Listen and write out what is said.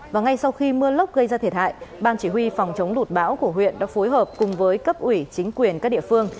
và ngay sau khi mưa lốc gây ra thiệt hại ban chỉ huy phòng chống lụt bão của huyện đã phối hợp cùng với cấp ủy chính quyền các địa phương